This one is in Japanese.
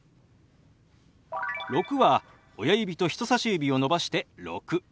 「６」は親指と人さし指を伸ばして「６」。